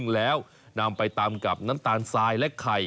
แล้วนำไปตำกับน้ำตาลทรายและไข่